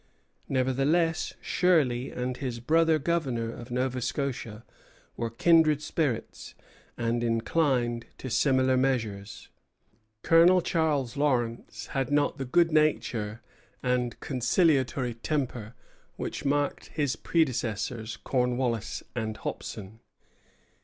Nevertheless Shirley and his brother Governor of Nova Scotia were kindred spirits, and inclined to similar measures. Colonel Charles Lawrence had not the good nature and conciliatory temper which marked his predecessors, Cornwallis and Hopson.